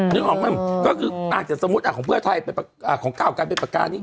นึกออกไหมก็คืออาจจะสมมุติของเพื่อไทยของก้าวกลายเป็นปากการนี้